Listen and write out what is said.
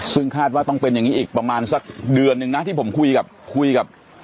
ซึ่งคาดว่าต้องเป็นอย่างนี้อีกประมาณสักเดือนนึงนะที่ผมคุยกับคุยกับ